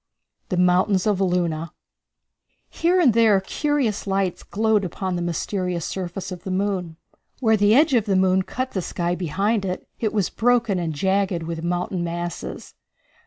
The Mountains of Luna. Here and there curious lights glowed upon the mysterious surface of the moon. Where the edge of the moon cut the sky behind it, it was broken and jagged with mountain masses.